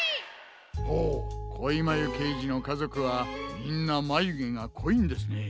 ほうこいまゆけいじのかぞくはみんなまゆげがこいんですね。